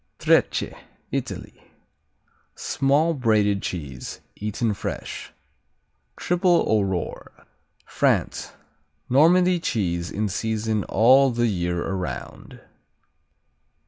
Trecce Italy Small, braided cheese, eaten fresh. Triple Aurore France Normandy cheese in season all the year around.